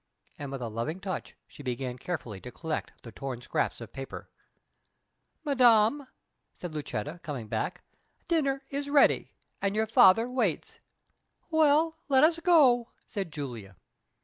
And with a loving touch she began carefully to collect the torn scraps of paper. "Madam," said Lucetta, coming back, "dinner is ready, and your father waits." "Well, let us go," said Julia.